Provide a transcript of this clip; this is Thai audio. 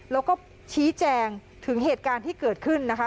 แล้วก็ชี้แจงถึงเหตุการณ์ที่เกิดขึ้นนะคะ